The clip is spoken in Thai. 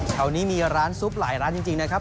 แถวนี้มีร้านซุปหลายร้านจริงนะครับ